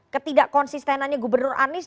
ketidak konsistenannya gubernur anies